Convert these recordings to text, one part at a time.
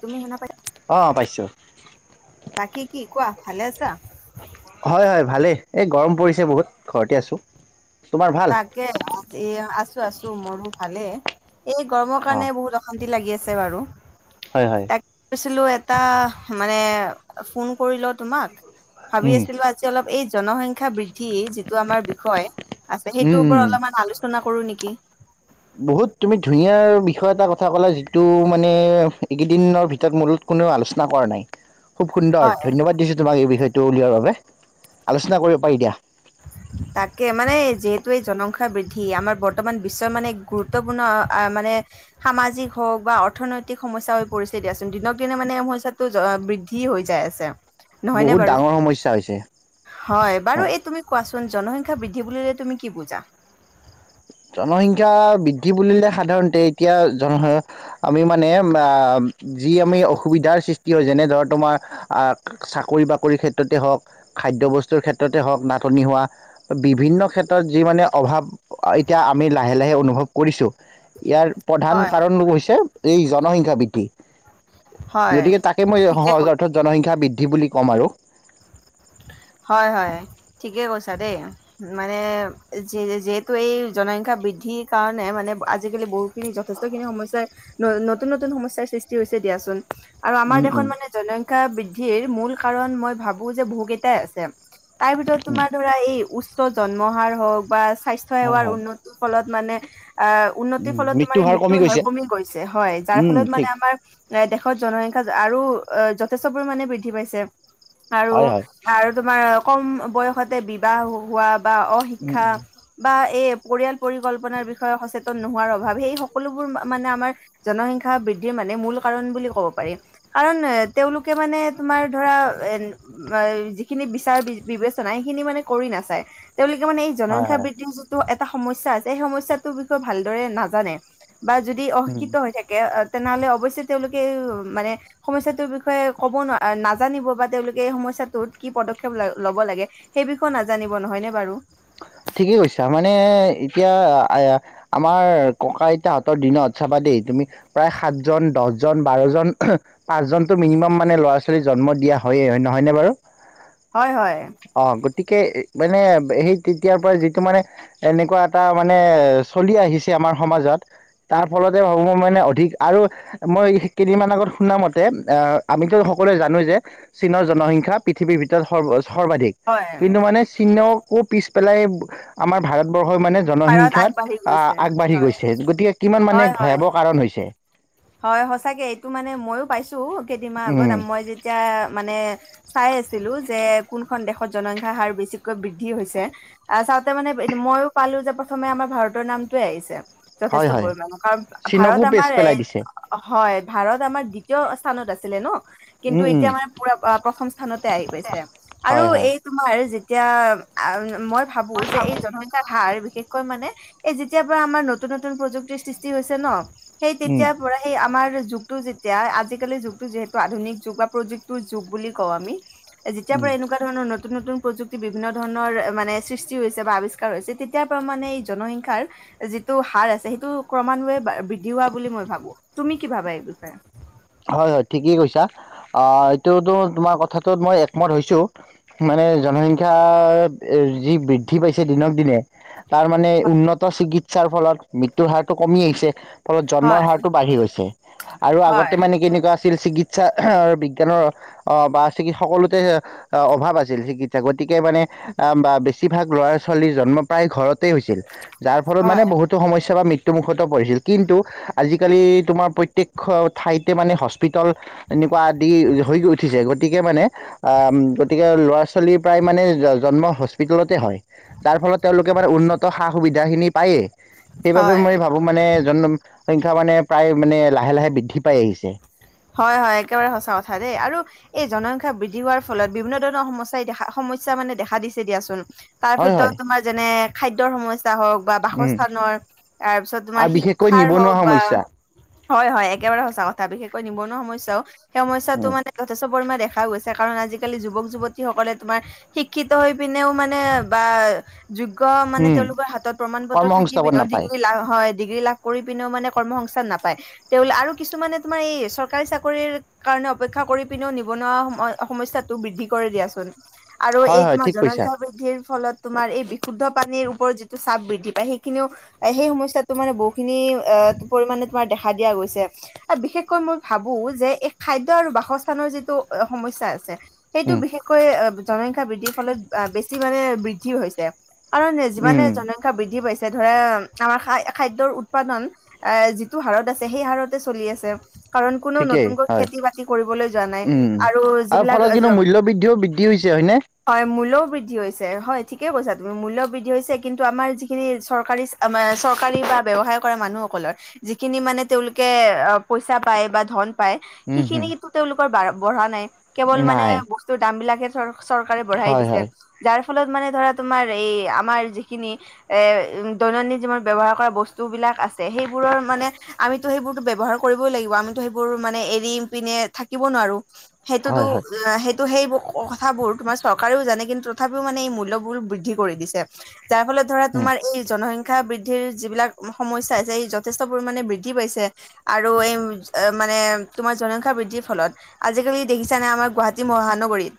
তুমি শুনা পাই অ পাইছোঁ। বাকী কি কোৱা ভালে আছা। হয় হয় ভালেই এই গৰম পৰিছে বহুত ঘৰতে আছোঁ। তাকে এ আছো আছো মোৰো ভালে। এই গৰমৰ অ কাৰণে বহুত অশান্তি লাগি আছে বাৰু হয় হয় তাকে কৈছিলো। এটা মানে ফোন কৰি লওঁ তোমাক ভাবি উম আছিলো আজি অলপ এই জনসংখ্য। শিক্ষা বৃদ্ধি যিটো আমাৰ বিষয় আছে উম সেইটোৰ ওপৰত উম অলপমান আলোচনা কৰো নেকি। বহুত তুমি ধুনীয়া বিষয় এটা কথা ক'লা যিটো মানে এইকেইদিনৰ ভিতৰত মূল। কোনেও আলোচনা কৰা নাই। খুব সুন্দৰ হয়। ধন্যবাদ দিছো তোমাক এই বিষয়টো উলিওৱাৰ বাবে আলোচনা কৰিব পাৰি দিয়া। [inaudible] তাকে মানে যিহেতু এই জনসংখ্যা বৃদ্ধি আমাৰ বৰ্তমান বিশ্বৰ মানে গুৰুত্বপূৰ্ণ মানে। সামাজিক হওক বা অৰ্থনৈতিক সমস্যা হৈ পৰিছে দিয়াচোন দিনক দিনে মানে এই সমস্যাটো বৃদ্ধি। হৈ যায় আছে নহয়নে বহুত বাৰু ডাঙৰ সমস্যা হৈছে হয় বাৰু এই তুমি। চোন জনসংখ্যা বৃদ্ধি বুলিলে তুমি কি বুজা। জনসংখ্যা বৃদ্ধি বুলিলে সাধাৰণতে এতিয়া জন আমি মানে আ। যি আমি অসুবিধাৰ সৃষ্টি হয় যেনে ধৰ তোমাৰ আহ চাকৰি বাকৰিৰ ক্ষেত্ৰতে হওঁক। খাদ্যবস্তুৰ ক্ষেত্ৰতে হওক নাাটনি হোৱা বিভিন্ন ক্ষেত্ৰত যি মানে অভাৱ। এতিয়া আমি লাহে লাহে অনুভৱ কৰিছোঁ ইয়াৰ প্ৰধান হয় কাৰণ হৈছে। এই জনসংখ্যা বৃদ্ধি হয় গতিকে তাকে মই ঠিকে ক সহজ অৰ্থাৎ জনসংখ্যা বৃদ্ধি। কি বুলি ক'ম আৰু হয় হয় ঠিকে কৈছা দেই মানে যিহেতু এই জনসংখ্যা। বৃদ্ধিৰ কাৰণে মানে আজিকালি বহুখিনি যথেষ্ট খিনি সমস্যাৰ নতুন নতুন সমস্যাৰ সৃষ্টি হৈছে। দিয়াচোন। আৰু আমাৰ উম দেশত উম মানে জনসংখ্যা বৃদ্ধিৰ মূল কাৰণ মই ভাবো যে বহু কেইটাই আছে। তাৰ ভিতৰত উম তোমাৰ ধৰা এই উচ্চ জন্ম হাৰ হওঁক বা স্বাস্থ্য হয় সেৱাৰ হয় উন্নতৰ ফলত। মানে। আহ উন্নতিৰ উম ফলত মৃত্যু তোমাৰ মৃত্যুৰ হাৰ গৈছে কমি গৈছে হয় যাৰ উম ফলত মানে ঠিক আমাৰ এ দেশ। দেশত জনসংখ্যা আৰু যথেষ্ট পৰিমাণে বৃদ্ধি পাইছে আৰু। হয় হয় তোমাৰ কম বয়সতে বিবাহ হোৱা বা উম অশিক্ষা উম বা এই। পৰিয়াল পৰিকল্পনাৰ বিষয়ে সচেতন নোহোৱাৰ অভাৱ সেই সকলোবোৰ মানে আমাৰ জনসংখ্যা বৃদ্ধিৰ মানে। মানে মূল কাৰণ বুলি ক'ব পাৰি কাৰণ তেওঁলোকে মানে তোমাৰ ধৰা এ যিখিনি বিচাৰ বি বিবেচনা সেইখিনি মানে কৰি নাচায় তেওঁলোকে মানে এই হয় জনসংখ্যা হয় বৃদ্ধিৰ যিটো এটা সমস্যা আছে সেই সমস্যাটোৰ বিষয়ে ভালদৰে নাজানে বা যদি উম অশিক্ষিত হৈ থাকে। তেনেহ'লে অৱশ্যে তেওঁলোকে এই মানে সমস্যাটোৰ বিষয়ে ক'ব নাজানিব বা তেওঁলোকে এই সমস্যাটোত কি পদক্ষেপ ল ল'ব লাগে সেই বিষয়ে নাজানিব নহয়নে বাৰু ঠিকেই কৈছা মানে এতিয়া আমাৰ ককা আইতাহতৰ দিনত চাবা দ তুমি প্ৰায় সাতজন দহ জন বাৰজন পাঁচজনটো মিনিমাম মানে ল'ৰা ছোৱালী জন্ম দিয়া হয়য়ে হয় নহয়নে বাৰু হয় হয় অ গতিকে মানে সেই তেতিয়াৰ পৰা যিটো মানে এনেকুৱা এটা মানে চলি আহিছে আমাৰ সমাজত তাৰ ফলত ভাবো মানে অধিক আৰু মই কেইদিনমান আগত শুনা মতে আহ আমিতো সকলোৱে জানো যে চীনৰ জনসংখ্যা পৃথিৱীৰ ভিতৰত সৰ্ব সৰ্বাধিক হয় কিন্তু মানে চীনকো পিছ পেলাই আমাৰ ভাৰতবৰ্ষ সৰ্ব্বোচ হয় মানে ভাৰত জনসংখ্যাত আগবাঢ়ি গৈছে আহ আগবাঢ়ি গৈছে গতিকে কিমান মানে হয় হয় হয় ভয়াৱহ কাৰণ হৈছে হয় সচাকে এইটো মানে ময়ো পাইছো কেইদিনমানাহ আগত উম মই যেতিয়া মানে চাই আছিলো যে কোনখন দেশত জনসংখ্যা হাৰ বেছিকৈ বৃদ্ধি হৈছে আহ চাওঁতে মানে ময়ো পালোঁ যে প্ৰথমে আমাৰ ভাৰতৰ নামটোৱে আহিছে। হয় যথেষ্ট হয় পৰিমাণে কাৰণ ভাৰত চীনকো পেছ আমাৰ এ পেলাই দিছে হয় ভাৰত আমাৰ দ্বিতীয় স্থানত আছিলে ন উম কিন্তু উম এতিয়া মানে পুৰা প্ৰথম স্থানতে আহি গৈছে আৰু হয় হয় এই তোমাৰ এতিয়া মই ভাবো যে এই জনসংখ্যাৰ হাৰ বিশেষকৈ মানে এই যেতিয়াৰ পৰা আমাৰ নতুন নতুন প্ৰযুক্তিৰ সৃষ্টি হৈছে ন সেই উম তেতিয়াৰ পৰা আহি আমাৰ যুগটো যেতিয়া আজিকালিৰ যুগটো যিহেতু আধুনিক যুগ বা প্ৰযুক্তিৰ যুগ বুলি কওঁ আমি যেতিয়াৰ উম পৰা এনেকুৱা ধৰণৰ নতুন নতুন প্ৰযুক্তি বিভিন্ন ধৰণৰ মানে সৃষ্টি হৈছে বা আৱিষ্কাৰ হৈছে তেতিয়াৰ পৰা মাণে এই জনসংখ্যাৰ যিটো হাৰ আছে সেইটো ক্ৰমান্বয়ে বৃদ্ধি হোৱা বুলি মই ভাবো তুমি কি ভাবা এই বিষয় হয় হয় ঠিকেই কৈছা অ এইটোতো তোমাৰ কথাটোত মই একমত হৈছো ম সংখ্যা যি বৃদ্ধি পাইছে দিনক দিনে তাৰ মানে উন্নত চিকিৎসাৰ ফলত মৃত্যুৰ হাৰত কমি আহিছে ফলত জন্মৰ হয় হাৰতটো বাঢ়ি গৈছে আৰু আগতে হয় তেনেকুৱা আছিল চিকিৎসা বিজ্ঞানৰ অ বা চিকৎ সকলোতে অভাৱ আছিল গতিকে মানে অ বা বেছিভাগ ল'ৰা ছোৱালীৰ জন্ম প্ৰায় ঘৰত হৈছিল যাৰ ফলত মানে হয় বহুতো সমস্যা বা ত্যু মুখত পৰিছিল কিন্তু আজিকালি তোমাৰ প্ৰত্যেক্ষ ঠাইতে মানে হস্পিতাল এনেকুৱা আদি হৈ উঠিছে গতিকে মানে আ গতিকে ল'ৰা ছোৱালী প্ৰায় মানে জন্ম হস্পিতেলতে হয় যাৰ ফলত তেওঁলোকে আমাৰ উন্নত সা সুবিধাখিনি পায়েই। সেইবাবে হয় মই ভাবোঁ মানে জনসংখ্যা মানে প্ৰায় মানে লাহে- লাহে বৃদ্ধি পাই আহিছে। হয় -হয় একেবাৰে সঁচা কথা দেই আৰু এই জনসংখ্যা বৃদ্ধি হোৱাৰ ফলত বিভিন্ন ধৰণৰ সমস্যাই সমস্যা মানে দেখা দিছে দিয়াচোন। তাৰ হয় ভিতৰত হয় তোমাৰ যেনে খাদ্যৰ সমস্যা, হওক বা উম বাসস্থানৰ তাৰপিছত তোমাৰ আৰু বিশেষকৈ শিক্ষাৰ নিবনুৱা হওক বা সমস্যা হয় -হয় একেবাৰে সঁচা কথা বিশেষকৈ নিবনুৱা সমস্যাও, সেই সমস্যাটো উম মানে যেষ্ট- পৰি দেখা গৈছে কাৰণ আজিকালি যুৱক যুৱতীসকলে তোমাৰ শিক্ষিত হৈ পিনেও মানে বা যোগ্য মানে উম তেওঁলোকৰ হাতত প্ৰমান পত্ৰ থাকি কৰ্মসংস্থাপন পিনেও নাপায় ডিগ্ৰী লাভ হয়। কৰি পিনেও মানে কৰ্মসংস্থান নাপায়, তেও আৰু কিছুমানে তোমাৰ এই চৰকাৰী চাকৰিৰ কাৰণে অপেক্ষা কৰি পিনেও নিবনুৱা সম সমস্যা টো বৃদ্ধি কৰে দিয়াচোন। আৰু হয় এই হয় তোমাৰ ঠিক কৈছা জনসংখ্যা বৃদ্ধিৰ ফলত তোমাৰ এই বিশুদ্ধ পানীৰ ওপৰত যিটো চাপ বৃদ্ধি পায় সেইখিনিও সেই সমস্যাটো মানে বহুখিনি পৰিমাণে তোমাৰ দেখা দিয়া গৈ বিশেষ। কৈ মই ভাবো যে এই খাদ্য আৰু বাসস্থানৰ যিটো সমস্যা আছে। সেইটো উম বিশেষকৈ জনসংখ্যা বৃদ্ধিৰ ফলত বেছি মানে বৃদ্ধিও হৈছে। কাৰণে যিমানে উম জনসংখ্যা বৃদ্ধি পাইছে। যে ধৰা আমাৰ খাদ্যৰ উৎপাদন এ যিটো হাৰত আছে সেই হাৰতে চলি আছে। কাৰণ কোনো ঠিকেই নতুনকৈ হয় খেতি বাতি কৰিবলৈ যোৱা নাই উম আৰু যিবিলাক। ফলত কিন্তু মূল্য বৃদ্ধিও বৃদ্ধি হৈছে হয়নে হয় মোল বৃদ্ধি হৈছে হয় ঠিকেই কৈছা তুমি মূল্য বৃদ্ধি হৈছে কিন্তু আমাৰ যিখিনি চৰকাৰী মানে চৰকাৰী ব্যৱসায় কৰা মানুহসকলৰ যিখিনি মানে তেওঁলোকে পইচা পায় বা ধন পায় উম সেইখিনি হম কিন্তু তেওঁলোকৰ বঢ়া নাই কেৱল মানে নাই বস্তুৰ দাম বিলাকে- চৰ চৰকাৰে বঢ়াই হয় দিছে হয় যাৰ ফলত মানে ধৰা তোমাৰ এই আমাৰ যিখিনি এ দৈনন্দিন জীৱনত ব্যৱহাৰ কৰা বস্তুবিলাক আছে সেইবোৰৰ মানে আমিতো সেইবোৰতো ব্যৱহাৰ কৰিবই লাগিব। আমো সেইবোৰ মানে এৰি পিনে থাকিব নোৱাৰো হয় হয় সেইটোতো ত' সেইবোৰ কথাবোৰ তোমাৰ চৰকাৰেও জানে কিন্তু তথাপিও মানে এই মূল্যবোৰ বৃদ্ধি কৰি দিছে। তাৰ ফলত ধৰা উম তোমাৰ এই জনসংখ্যা ক্ষা বৃদ্ধিৰ যিবিলাক সমস্যা আছে ই যথেষ্ট পৰিমণে বৃদ্ধি পাইছে আৰু এই মানে তোমাৰ জনসংখ্যা বৃদ্ধিৰ ফলত আজিকালি দেখিছা নাই আমাৰ গুৱাহাটী মহানগৰীত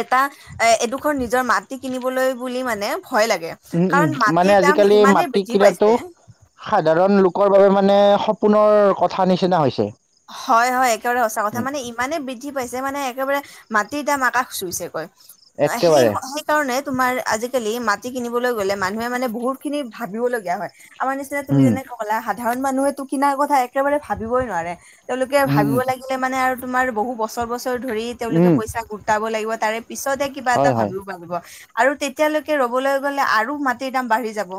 এটা এ এডোখৰ নিজৰ মাটি কিনিবলৈ বুলি মানে। ভয় লাগে। উম- উম কাৰণ মানে মাটিৰ দাম আজিকালি ইমানেই মাটি বৃদ্ধি কিনাটো পাইছে সাধাৰণ লোকৰ বাবে মানে সপোনৰ কথা নিচিনা হৈছে। হয় হয় একেবাৰে সঁচা কথা উম মানে ইমানে বৃদ্ধি পাইছে মানে একেবাৰে মাটিৰ দাম আকাশ চুইছে গই, সেই একেবাৰে সেই কাৰণে তোমাৰ আজিকালি মাটি কিনিবলৈ গ'লে মানুহে মানে বহুত খিনি ভাবিবলগীয়া হয়। আমাৰ নিচিনা তুমি উম যেনেকে ক'লা সাধাৰণ মানুহে তো কিনাৰ কথা একেবাৰে ভাবিবই নোৱাৰে। তেওঁলোকে উম ভাবিব উম লাগিলে মানে আৰু তোমাৰ বহু বছৰ বছৰ ধৰি তেওঁলোকে উম পইচা গোটাব লাগিব তাৰে পিছতে কিবা এটা হয় হয় ভাবিও পাৰিব আৰু তেতিয়ালৈকে ৰবলৈ গলে আৰু মাটিৰ দাম বাঢ়ি যাব।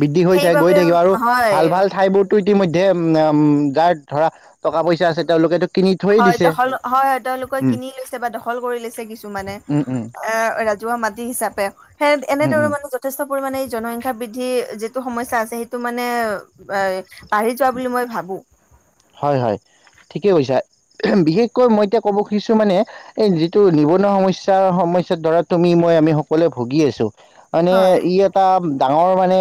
বৃদ্ধি হৈ থাক গৈ সেইবাবে থাকিব আৰু হয়, ভাল ভাল ঠাই বোৰতো ইতিমধ্যে অ উম, যাৰ ধৰা টকা পইচা আছে তেওঁলোকেতো কিনি থৈয়ে হয় দিছে দখল হয়- হয় তেওঁলোকে উম কিনি লৈছে বা দখল কৰি লৈছে কিছুমানানে উম উম এ ৰাজহুৱা মাতি হিচাপে সে উম উম এনেদৰে মানে যথেষ্ট। পাৰিমানে জনসংখ্যা বৃদ্ধি যিটো সমস্যা আছে সেইটো মানে এ বাঢ়ি যোৱা বুলি মই ভাবো। গু হয় -হয়। ঠিকে কৈছা বিশেষকৈ মই এতিয়া ক'ব খুজিছো মানে এই যিটো নিবনুৱা সমস্যাৰ সম ধৰা তুমি মই আমি সকলোৱে ভুগি আছো মানে হয় ই এটা ডা ডাঙৰ মানে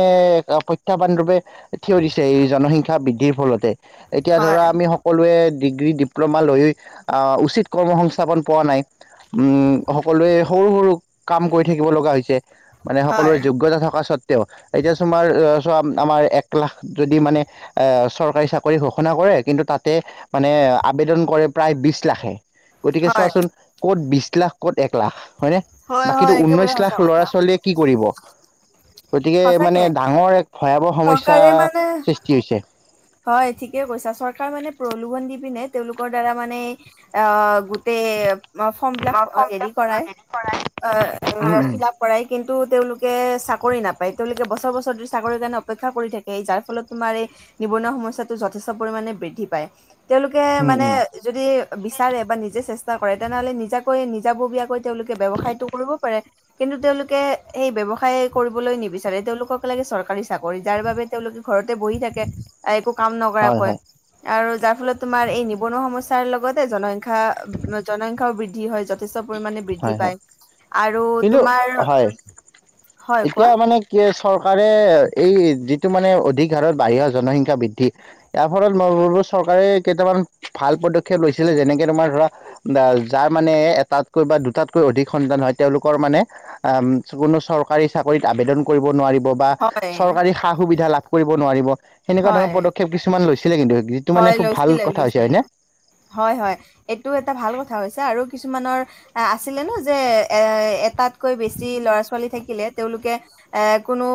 প্ৰত্যাহ্বান ৰূপে থিয় দিছে এই জনসংখ্যা বৃদ্ধিৰ ফলতে। এতিয়া হয় ধৰা আমি সকলোৱে ডিগ্ৰী ডিপ্ল'মা লৈ উচিত কৰ্ম সংস্থাপন পোৱা নাই সকলোৱে সৰু সৰু কাম কৰি থাকিব লগা হৈছে মানে সকলোৰে হয় যোগ্যতা থকা স্বত তেওঁ এতিয়া তোমাৰ চোৱা আমাৰ এক লাখ যদি মানে এহ চৰকাৰী চাকৰি হওক ঘোষণা কৰে কিন্তু তাতে মানে আবেদন কৰে প্ৰায় বিছ লাখে। গতিকে হয় চোৱাচোন ক'ত বিছ লাখ ক'ত এক লাখ হয়নে হয় বাকী হয় একেবাৰে ঊনৈশ সঁচা লাখ ল'ৰা কথা। ছোৱালীয়ে কি কৰিব গতিকে মানে সঁচাকে ডাঙৰ এক ভয়াৱহ সমস্যা চৰকাৰে মানে সৃষ্টি হৈছে হয় ঠিক কে কৈছা চৰকাৰ মানে প্ৰলোভন দি পিনে তেওঁলোকৰ দ্বাৰা মানে আহ গোটেই ফ্ৰমবিলাক হেৰি কৰাই এ উম ফিলাব কৰাই কিন্তু তেওঁলোকে কে চাকৰি নাপায় তেওঁলোকে বছৰ বছৰ চাকৰিৰ কাৰণে অপেক্ষা কৰি থাকে যাৰ ফলত তোমাৰ এই নিবনুৱা সমস্যাটো যথেষ্ট পৰিমানে মানে বৃদ্ধি পায়। তেওঁলোকে উম উম মানে উম যদি বিচাৰে নিজে চেচ ষ্টা তেনেহলে নিজাকৈ নিজাববীয়াকৈ তেওঁলোকে ব্যৱসায়তটো কৰিব পাৰে কিন্তু তেওঁলোকে সেই ব্যৱ- ব্যৱসায় কৰিবলৈ নিবিচাৰে তেওঁলোকক লাগে চৰকাৰী চাকৰি যাৰ বাবে তেওঁলোক ঘৰতে বহি থাকে একো কাম হয় নকৰাকৈ হয় আৰু যাৰ ফলত তোমাৰ এই নিবনুৱা সমস্যা তাৰ লগতে জনসংখ্যা জনসংখ্যাও বৃদ্ধি হয় যথেষ্ট যথেষ্ট পৰিমাণে বৃদ্ধি হয় হয় পায় আৰু কিন্তু তোমাৰ হয় হয় এতিয়া কোৱা মানে কি চৰকাৰে এই যিটো মানে অধিক হাৰত বাঢ়িৰ জনসংখ্যা বৃদ্ধি ইয়াৰ ফলত ল [unintelligible] চৰকাৰে কেইটামান ভাল পদক্ষেপ লৈছিলে যেনেকে তোমাৰ ধৰা যাৰ মানে এটাতকৈ বা দুটাতকৈ অধিক সন্তান হয় তেওঁলোকৰ মানে কোনো চৰকাৰী চাকৰিত আবেদন কৰিব ব নোৱাৰিব বা হয় চৰকাৰী সা সুবিধা লাভ কৰিব নেৱাৰিব এনেকুৱা ধৰণৰ হয় পদক্ষেপ কিছুমান লৈছে। হয় লৈছিলে লৈছিলে হয় হয় এইটো এটা ভাল কথা হৈছে আৰু কিছুমানৰ আছিলে নে যে এ এটাতকৈ বেছি ল'ৰা ছোৱালী থাকিলে তেওঁলোকে এ কোনো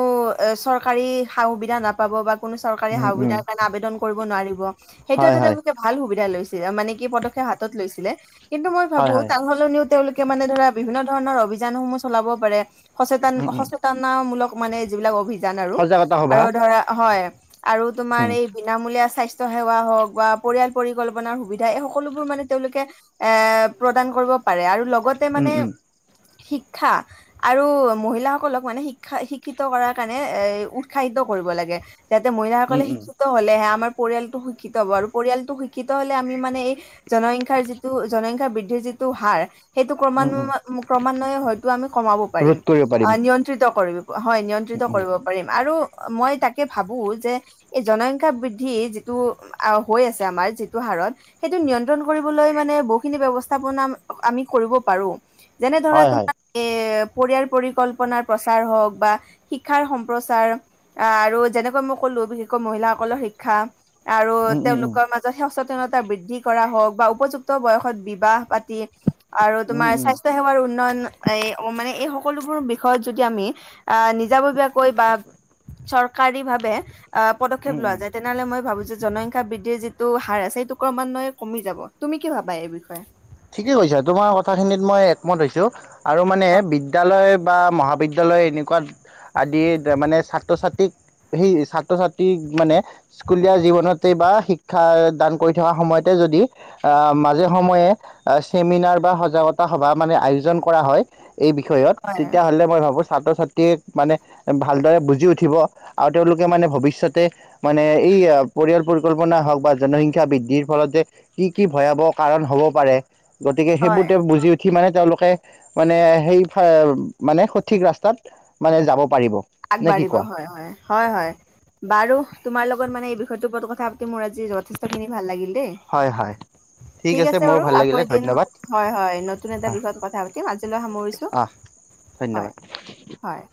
এ চৰকাৰী সা সুবিধা নাপাব বা কোনো চৰকাৰী সা উম উম সুবিধাৰ কাৰণে আবেদন কৰিব নোৱাৰিব সেইটো হয় এটা হয় তেওঁলোকে ভাল সুবিধা লৈছে। মানে কি পদক্ষেপ হাতত লৈছিলে কিন্তু মই হয় ভাবো হয় তাৰ সলনিও তেওঁলোকে মানে ধৰা বিভিন্ন ধৰনৰ অভিযানসমূহ চলাব পাৰে সচেত উম উম সচেতন মূলক মানে যিবিলাক অভিান যান আৰু সজাগতা সভা আৰু ধৰা হয় আৰু তোমাৰ উম এই বিনামূলীয়া স্বা- স্থ্য সেৱা হওক বা পৰিয়াল পৰিকল্পনাৰ সুবিধা এই সকলোবোৰ মানে তেওঁলোকে এ প্ৰদান কৰিব পাৰে আৰু লগতে উম মানে উম শিক্ষা আৰু মহিলাসকলক মানে শিক্ষা শিক্ষিত কৰাৰ কাৰণে এ উৎসাহিত কৰিব লাগে যাতে উম মহিলাসকলে উম শিক্ষিত হলেহে আমাৰ পৰিয়ালটো শিক্ষিত হ'ব আৰু পৰিয়ালটো শিক্ষিত হলে আমি মানে এই জনসংখ্যাৰ যিটো জনসংখ্যা বৃদ্ধিৰ যিটো টো হাৰ সেইটো উম উম ক্ৰমান্বয়ে ক্ৰমান্বয়ে হয়তো আমি কমাব পাৰিম। ৰোধ কৰিব অ পাৰিম নিয়ন্ত্ৰিত কৰিব হয় উম নিয়ন্ত্ৰিত উম কৰিব পাৰিম আৰু মই তাকে ভাবো যে এই জনসংখ্যা বৃদ্ধি যি হৈ আ আমাৰ যিটো হাৰত সেইটো নিয়ন্ত্ৰণ কৰিবলৈ মানে বহুখিনি ব্যৱস্থা আমি কৰিব পাৰো যেনে ধৰা হয় হয় তোমাৰ এ পৰিয়াল পৰিকল্পনাৰ প্ৰচাৰ হওক বা শিক্ষাৰ সম্প্ৰচাৰ আৰু যেনেকৈ মই কলো বিশেষকৈ মহিলাসকলৰ শিক্ষা আৰু উম উম উম তেওঁলোকৰ মাজত হে উচ তা বৃদ্ধি কৰা হওক বা উপযুক্ত বয়সত বিবাহ পাতি আৰু উম উম তোমাৰ স্বাস্থ্য সেৱাৰ উন্নয়ন এ মানে এই সকলোবোৰ বিষয়ত যদি আমি আহ নিজাববীয়াকৈ বা চৰকাৰী ভাবে আহ পদক্ষেপ উম লোৱা উম যায় তেনেহ'লে মই ভাবো যে জনসংখ্যা বৃদ্ধিৰ যিটো হাৰ আছে সেইটো ক্ৰমান্বয়ে কমি যাব তুমি কি ভাবা এই বিষয়ে ঠিকে কৈছা তোমাৰ কথাখিনিত মই একমত হৈছো আৰু মানে বিদ্যায়ালয় বা মহাবিদ্যালয় লয় এনেকুৱা আদি মানে ছাত্ৰ ছাত্ৰীক সেই ছাত্ৰ ছাত্ৰীক মানে স্কুলীয়া জীৱনতে বা শিক্ষা দান কৰি থকা সময়তে যদি আ মাজে সময়ে চেমিনাৰ বা সজাগতা সভা মানে আয়োজন কৰা হয় এই বিষয়ত, হয় তেতিয়াহ'লে মই ভাবো ছাত্ৰ ছাত্ৰীয়ে মানে ভালদৰে বুজি উঠিব, আৰু তেওঁলোকে মানে ভৱিষ্যতে মানে এই পৰিয়াল পৰিকল্পনা হওক বা জনসংখ্যা বৃদ্ধিৰ ফলত কি কি ভয়াৱহ কাৰণ হ'ব পাৰে, গতিকে সেইবোৰ হয় তেওঁ বুজি উঠি মানে তেওঁলোকে মানে সেই মানে সঠিক ৰাস্তাত মানে যাব। পাৰিব নে কি আগবাঢ়িব কোৱা হয় হয় হয় হয় বাৰু তোমাৰ লগত মানে এই বিষয়টোৰ ওপৰত কথা মোৰ আজি যথেষ্ট খিনি ভাল লাগিল দেই। [unintelligible] ঠিক আছে মোৰো বাৰু ভাল আকৌ লাগিলে এদিন ধন্যবাদ হয় হয় নতুন এটা বিষয়ত কথা পাতিম আজিলৈ সামৰিছো। আহ আহ হয়, ধন্যবাদ। হয়।